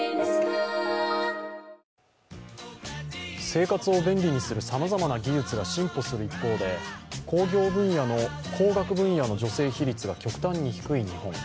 生活を便利にするさまざまな技術が進歩する一方で工学分野の女性比率が極端に低い日本。